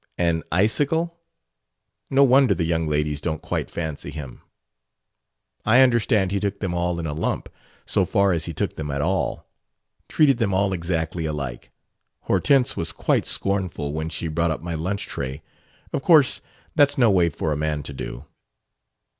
"An icicle? No wonder the young ladies don't quite fancy him." "I understand he took them all in a lump so far as he took them at all. Treated them all exactly alike; Hortense was quite scornful when she brought up my lunch tray. Of course that's no way for a man to do."